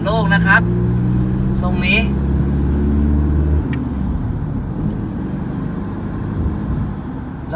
โอ้โหโอ้โหโอ้โหโอ้โหโอ้โหโอ้โหโอ้โหโอ้โหโอ้โหโอ้โห